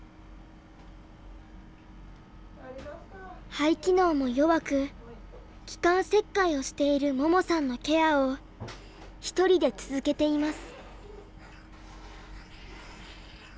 肺機能も弱く気管切開をしている桃さんのケアを一人で続けています。